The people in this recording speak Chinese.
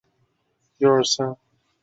我有一股兴奋的感觉